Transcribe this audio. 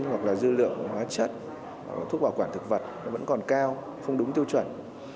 hoặc là dư lượng hóa chất thuốc bảo quản thực vật vẫn còn cao không đúng tiêu chuẩn